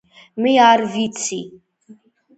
მე არ ვიცი